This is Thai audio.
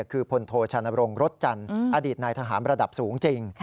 คือพลโทชานบรงรถจันทร์อดีตนายทหารระดับสูงจริง